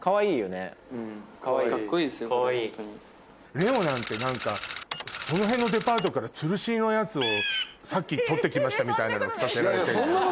レオなんて何かその辺のデパートからつるしのやつをさっき取って来ましたみたいなのを着させられてる。